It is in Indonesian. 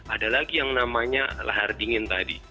ada lagi yang namanya lahar dingin tadi